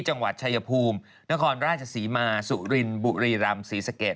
จังหวัดชายภูมินครราชศรีมาสุรินบุรีรำศรีสะเกด